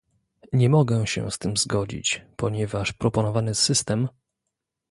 Nie mogę się z tym zgodzić, ponieważ proponowany system